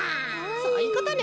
そういうことね。